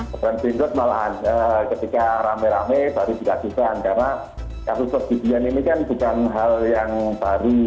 pemakan kebakaran malahan ketika rame rame baru dikajukan karena kasus perjudian ini kan bukan hal yang baru